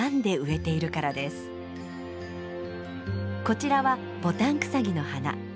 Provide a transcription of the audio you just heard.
こちらはボタンクサギの花。